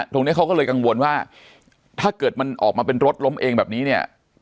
ตรงนี้เขาก็เลยกังวลว่าถ้าเกิดมันออกมาเป็นรถล้มเองแบบนี้เนี่ย